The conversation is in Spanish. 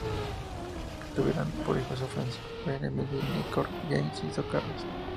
Tuvieron por hijos a Francisco Javier, a Emilio y a Nicanor Yanes y Socarrás.